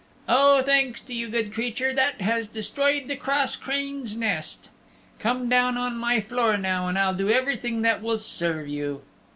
"Oh, thanks to you, good creature, that has destroyed the cross crane's nest. Come down on my floor now and I'll do everything that will serve you."